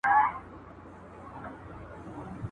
• برگ سپى د چغال ورور دئ.